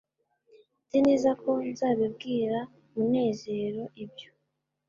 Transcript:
nzi neza ko nzabibwira munezero ibyo